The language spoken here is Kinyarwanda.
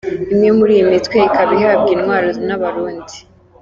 Imwe muri iyi mitwe ikaba ihabwa intwaro n’abarundi.